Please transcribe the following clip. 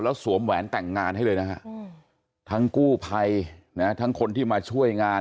แล้วสวมแหวนแต่งงานให้เลยนะฮะทั้งกู้ภัยนะทั้งคนที่มาช่วยงาน